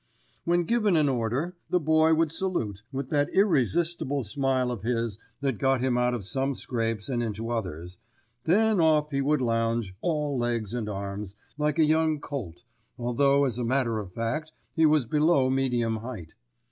When given an order, the Boy would salute, with that irresistible smile of his that got him out of some scrapes and into others, then off he would lounge, all legs and arms, like a young colt, although as a matter of fact he was below medium height.